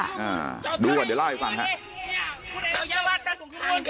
อ่าดูก่อนเดี๋ยวเล่าให้ฟังครับ